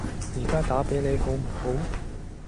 而家打畀你好唔好？